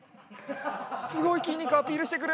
すごい筋肉アピールしてくる！